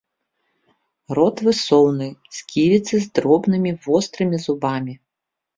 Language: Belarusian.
Рот высоўны, сківіцы з дробнымі вострымі зубамі.